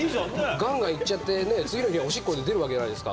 がんがんいっちゃって、次の日おしっこで出るわけじゃないですか。